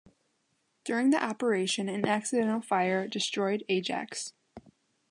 During the operation an accidental fire destroyed "Ajax".